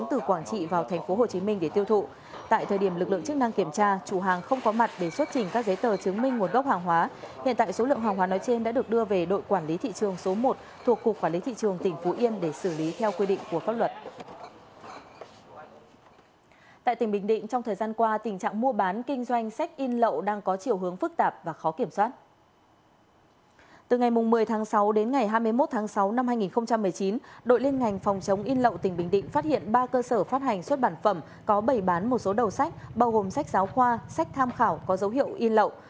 từ ngày một mươi tháng sáu đến ngày hai mươi một tháng sáu năm hai nghìn một mươi chín đội liên ngành phòng chống in lậu tỉnh bình định phát hiện ba cơ sở phát hành xuất bản phẩm có bảy bán một số đầu sách bao gồm sách giáo khoa sách tham khảo có dấu hiệu in lậu